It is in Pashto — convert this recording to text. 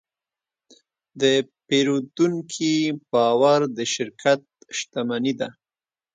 د پیرودونکي باور د شرکت شتمني ده.